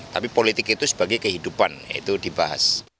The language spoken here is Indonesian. tapi politik itu sebagai kehidupan itu dibahas